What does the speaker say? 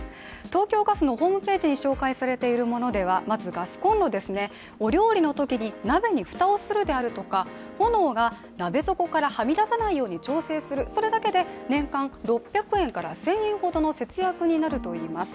東京ガスのホームページに紹介されているものではまずガスコンロ、お料理の時に鍋に蓋をするであるとか炎が鍋底からはみ出さないように調節する、それだけで年間６００円から１０００円ほどの節約になるといいます。